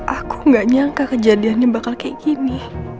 aku gak nyangka kejadiannya bakal kayak gini